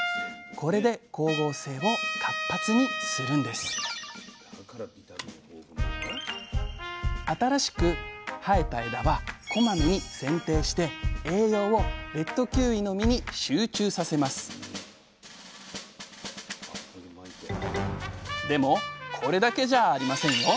これで光合成を活発にするんです新しく生えた枝はこまめにせんていして栄養をレッドキウイの実に集中させますでもこれだけじゃありませんよ。